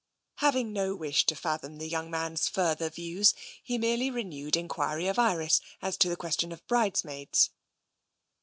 Having no wish to fathom the young man's further views, he merely renewed enquiry of Iris as to the question of bridesmaids.